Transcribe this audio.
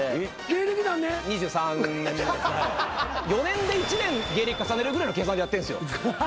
４年で１年芸歴重ねるぐらいの計算でやってるんですよ。